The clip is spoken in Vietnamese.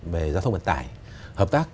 về giao thông vận tải hợp tác